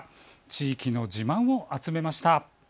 地域の自慢を集めました。